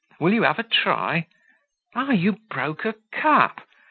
Will you have a try? Ah! you broke a cup!